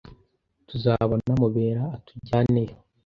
Tuzabona Mubera atujyaneyo.